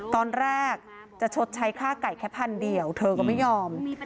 ตอนแรกจะชดใช้ค่าไก่แค่พันเดียวเธอก็ไม่ยอม